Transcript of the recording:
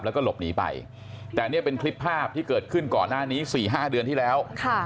แล้วก็หลบหนีไปแต่นี่เป็นคลิปภาพที่เกิดขึ้นก่อนหน้านี้๔๕เดือนที่แล้ว